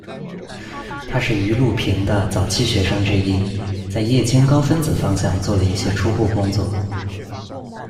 她是俞陆平的早期学生之一，在液晶高分子方向做了一些初步工作。